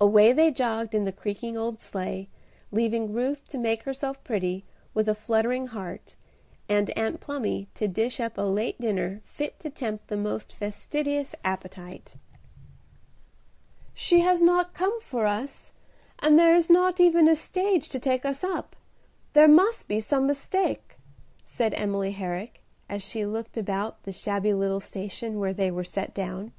Away they jogged in the creaking old sleigh, leaving Ruth to make herself pretty, with a fluttering heart, and Aunt Plumy to dish up a late dinner fit to tempt the most fastidious appetite. "She has not come for us, and there is not even a stage to take us up. There must be some mistake," said Emily Herrick, as she looked about the shabby little station where they were set down.